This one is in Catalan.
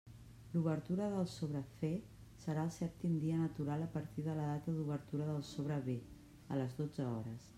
L'obertura del sobre C serà el sèptim dia natural a partir de la data d'obertura del sobre B, a les dotze hores.